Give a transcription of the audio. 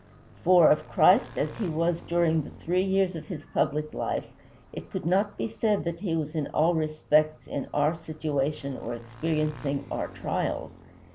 For, of Christ as he was during the three years of his public life, it could not be said that he was in all respects in our situation or experiencing our trials.